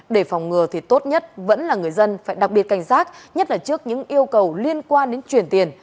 để phòng ngừa thì tốt nhất vẫn là người dân phải đặc biệt cảnh giác nhất là trước những yêu cầu liên quan đến chuyển tiền